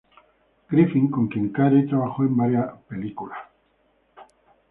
Griffith, con quien Carey trabajó en varias películas.